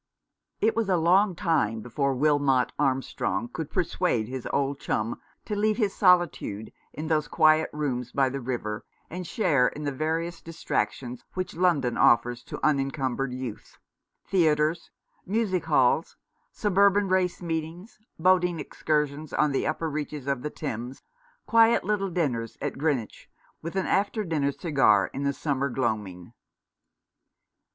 It was a long time before Wilmot Armstrong could persuade his old chum to leave his solitude in those quiet rooms by the river, and share in the various distractions which London offers to unencumbered youth — theatres, music halls, sub urban race meetings, boating excursions on the upper reaches of the Thames, quiet little dinners at Greenwich, with an after dinner cigar in the summer gloaming.